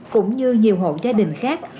cũng như nhiều hộ gia đình khác